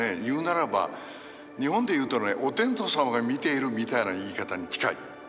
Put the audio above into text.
言うならば日本で言うとねお天道様が見ているみたいな言い方に近い。